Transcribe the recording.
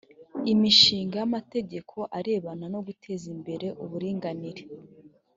imishinga y’amategeko arebana no guteza imbere uburinganire